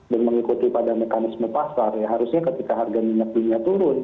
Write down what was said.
dan mengikuti pada mekanisme pasar ya harusnya ketika harga minyak dunia turun